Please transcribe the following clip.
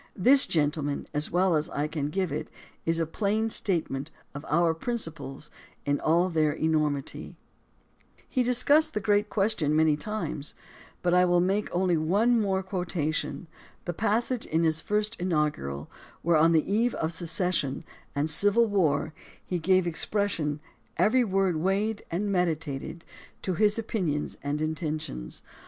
This, gentlemen, as well as I can give it, is a plain statement of our principles in all their enormity. 148 THE DEMOCEACY OF ABRAHAM LINCOLN He discussed the great question many times, but I will make only one more quotation, the passage in the first inaugural, where on the eve of secession and civil war he gave expression, every word weighed and meditated, to his opinions and intentions.